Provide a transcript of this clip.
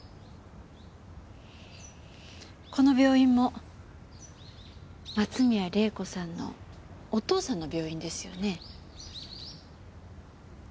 この病院も松宮玲子さんのお父さんの病院ですよね？